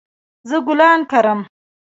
زه ګلان کرم